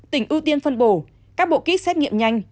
tỉnh ưu tiên phân bổ các bộ kit xét nghiệm nhanh